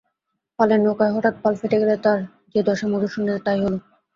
পালের নৌকায় হঠাৎ পাল ফেটে গেলে তার যে দশা মধুসূদনের তাই হল।